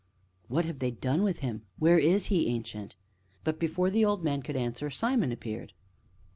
"What have they done with him? Where is he, Ancient?" But, before the old man could answer, Simon appeared.